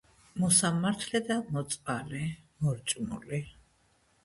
მოსამართლე და მოწყალე, მორჭმული,